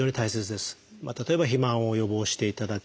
例えば肥満を予防していただく。